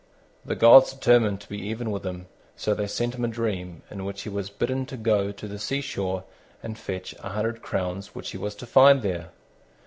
The gods determined to be even with him, so they sent him a dream, in which he was bidden to go to the sea shore and fetch a hundred crowns which he was to find there.